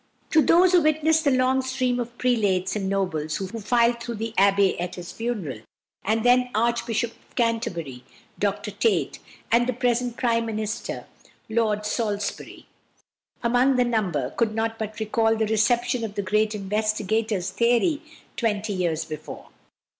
Those who witnessed the long stream of prelates and nobles who filed through the Abbey at his funeral, the then Archbishop of Canterbury (Dr Tait) and the present Prime Minister (Lord Salisbury) among the number, could not but recall the reception of the great investigator's theory twenty years before.